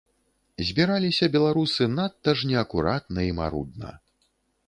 Збіраліся беларусы надта ж неакуратна і марудна.